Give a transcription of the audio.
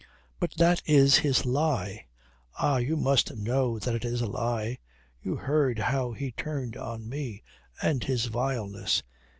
"But that is his lie! Ah, you must know that it is a lie. You heard how he turned on me, and his vileness."